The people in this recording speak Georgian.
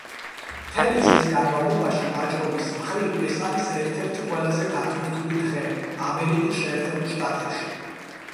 მთელი წლის განმავლობაში, ვაჭრობის მხრივ, ეს არის ერთ-ერთი ყველაზე დატვირთული დღე ამერიკის შეერთებულ შტატებში.